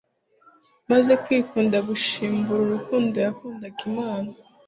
maze kwikunda gusimbura urukundo yakundaglmana